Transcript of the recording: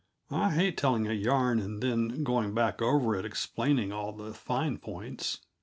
I hate telling a yarn and then going back over it explaining all the fine points.